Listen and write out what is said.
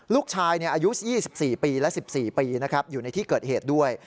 ลูกชายอายุ๒๔ปีและ๑๔ปีอยู่ในที่เกิดเหตุด้วย